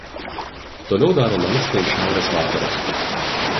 Toliau daro lankstą į šiaurės vakarus.